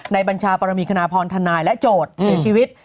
บัญชาปรมีคณพรทนายและโจทย์เสียชีวิต